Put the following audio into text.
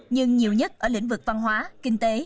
nhưng nhiều nhất ở lĩnh vực văn hóa kinh tế